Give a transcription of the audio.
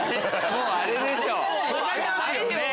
もうあれですよ